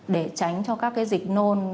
để tránh cho các cái dịch nôn